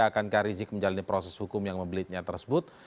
akankah rizik menjalani proses hukum yang membelitnya tersebut